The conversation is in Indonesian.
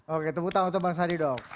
oke tepuk tangan untuk bang sandi dong